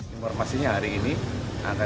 informasinya hari ini akan